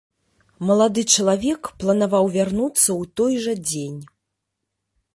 Малады чалавек планаваў вярнуцца ў той жа дзень.